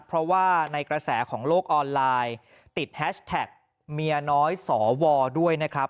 เพราะว่าในกระแสของโลกออนไลน์ติดแฮชแท็กเมียน้อยสวด้วยนะครับ